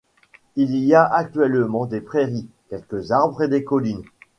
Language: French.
Il y a actuellement des prairies, quelques arbres et des collines.